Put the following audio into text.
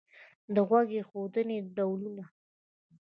د غوږ ایښودنې ډولونه